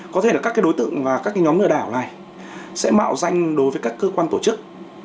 có thể là các đối tượng và các nhóm lừa đảo này sẽ mạo danh đối với các cơ quan tổ chức